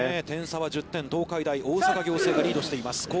点差は１０点東海大大阪仰星がリードしています